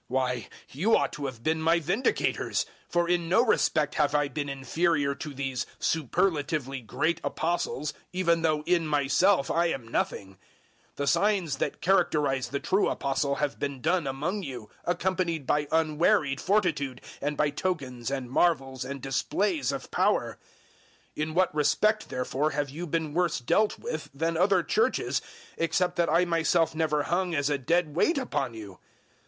Why, you ought to have been my vindicators; for in no respect have I been inferior to these superlatively great Apostles, even though in myself I am nothing. 012:012 The signs that characterize the true Apostle have been done among you, accompanied by unwearied fortitude, and by tokens and marvels and displays of power. 012:013 In what respect, therefore, have you been worse dealt with than other Churches, except that I myself never hung as a dead weight upon you?